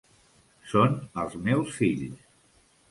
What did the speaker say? Són els meus fills.